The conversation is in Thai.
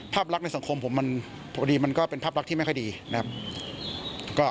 ภาพลักษณ์ในสังคมผมมันพอดีมันก็เป็นภาพลักษณ์ที่ไม่ค่อยดีนะครับ